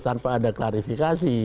tanpa ada klarifikasi